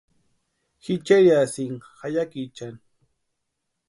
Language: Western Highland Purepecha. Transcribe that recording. Ji cherhiasïnka jayakichani.